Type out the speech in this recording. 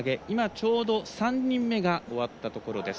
ちょうど３人目が終わったところです。